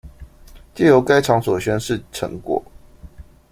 藉由該場所宣示成果